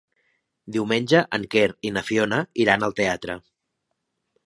Diumenge en Quer i na Fiona iran al teatre.